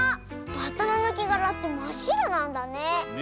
バッタのぬけがらってまっしろなんだね。